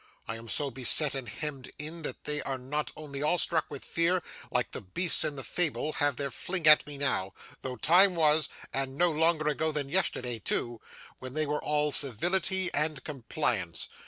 I am so beset and hemmed in, that they are not only all struck with fear, but, like the beasts in the fable, have their fling at me now, though time was, and no longer ago than yesterday too, when they were all civility and compliance.